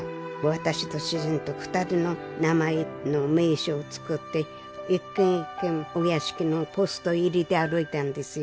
私と主人と２人の名前の名刺を作って一軒一軒お屋敷のポストへ入れて歩いたんですよ。